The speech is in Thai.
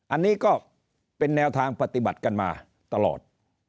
อันนี้ก็เป็นแนวทางปฏิบัติกันมาตลอด